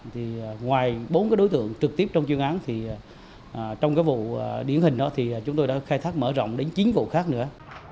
thì ngoài bốn cái đối tượng trực tiếp trong chuyên án thì trong cái vụ điển hình đó thì chúng tôi đã khai thác mở rộng đến chín vụ khác nữa